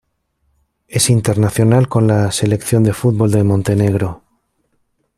Es internacional con la selección de fútbol de Montenegro.